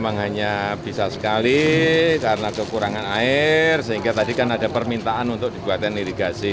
memang hanya bisa sekali karena kekurangan air sehingga tadi kan ada permintaan untuk dibuatkan irigasi